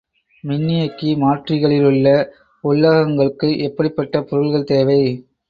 மின்னியக்கி மாற்றிகளிலுள்ள உள்ளகங்களுக்கு எப்படிப் பட்ட பொருள்கள் தேவை?